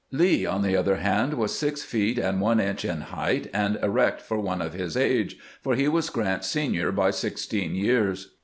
Lee, on the other hand, was six feet and one inch in height, and erect for one of his age, for he was Grant's senior by sixteen years.